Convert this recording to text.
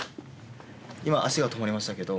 今足が止まりましたけど。